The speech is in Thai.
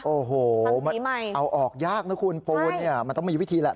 โอ้โฮเอาออกยากนะคุณโฟนมันต้องมีวิธีแหละ